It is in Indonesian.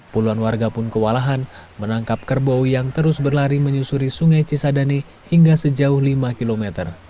puluhan warga pun kewalahan menangkap kerbau yang terus berlari menyusuri sungai cisadane hingga sejauh lima km